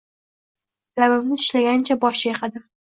Labimni tishlagancha bosh chayqadim.